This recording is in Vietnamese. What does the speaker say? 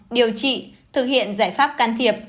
điều trị thực hiện giải pháp can thiệp